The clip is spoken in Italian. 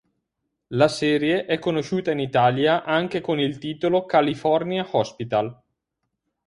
La serie è conosciuta in Italia anche con il titolo California Hospital.